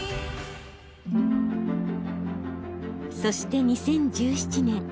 そして２０１７年。